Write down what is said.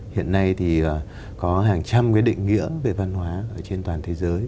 hiện nay thì có hàng trăm cái định nghĩa về văn hóa trên toàn thế giới